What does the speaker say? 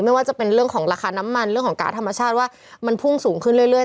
ไม่ว่าจะเป็นเรื่องของราคาน้ำมันเรื่องของการ์ดธรรมชาติว่ามันพุ่งสูงขึ้นเรื่อย